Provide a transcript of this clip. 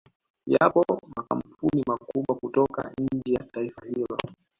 Yapo makampuni makubwa kutoka nje ya taifa hilo